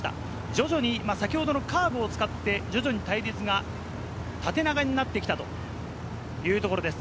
徐々に先ほどのカーブを使って徐々に隊列が縦長になってきたというところです。